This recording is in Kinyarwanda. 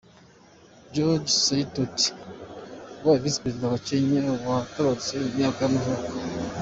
George Saitoti, wabaye visi perezida wa Kenya wa yaratabarutse, ku myaka y’amavuko.